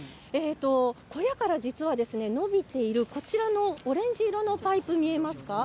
小屋から実は伸びているこちらのオレンジ色のパイプが見えますか？